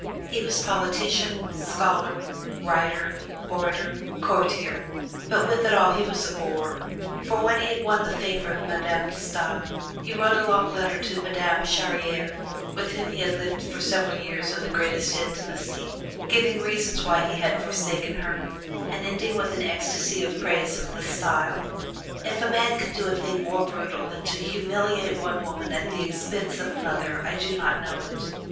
He was politician, scholar, writer, orator, courtier. But with it all he was a boor, for when he had won the favor of Madame De Stael he wrote a long letter to Madame Charriere, with whom he had lived for several years in the greatest intimacy, giving reasons why he had forsaken her, and ending with an ecstacy in praise of the Stael. If a man can do a thing more brutal than to humiliate one woman at the expense of another, I do not know it.